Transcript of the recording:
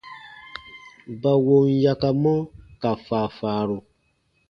Ba wom yakamɔ ka faafaaru.